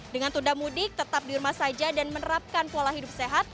dengan tunda mudik tetap di rumah saja dan menerapkan pola hidup sehat